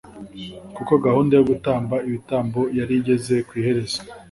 kuko gahunda yo gutamba ibitambo yari igeze ku iherezo